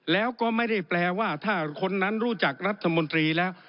แล้วก็ไม่ได้แปลว่าถ้าคนนั้นรู้จักรัฐมนตรีแล้ว